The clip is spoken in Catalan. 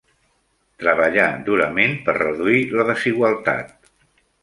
Treballar durament per reduir la desigualtat.